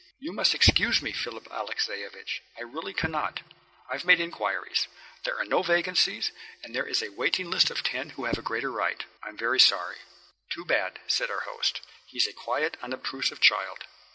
"You must excuse me, Philip Alexeyevich, I really cannot. I've made inquiries. There are no vacancies, and there is a waiting list of ten who have a greater right I'm sorry." "Too bad," said our host. "He's a quiet, unobtrusive child."